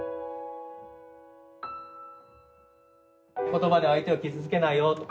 言葉で相手を傷つけないよと。